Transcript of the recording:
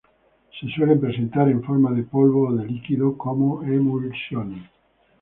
Se suelen presentar en forma de polvo o de líquido, como emulsiones.